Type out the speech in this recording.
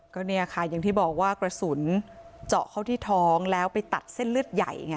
ก็เนี่ยค่ะอย่างที่บอกว่ากระสุนเจาะเข้าที่ท้องแล้วไปตัดเส้นเลือดใหญ่ไง